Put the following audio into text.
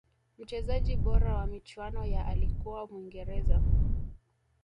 mchezaji bora wa michuano ya alikuwa mwingereza